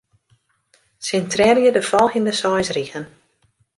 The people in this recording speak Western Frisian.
Sintrearje de folgjende seis rigen.